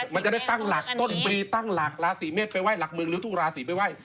มันจะได้ตั้งหลักต้นปีตั้งหลักหลักเมืองหรือทุกราศีไปไหว้